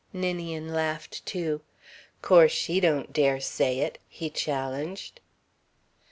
Ninian laughed too. "Course she don't dare say it," he challenged.